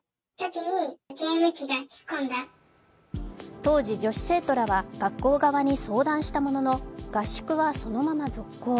当時、女子生徒らは学校側に相談したものの合宿はそのまま続行。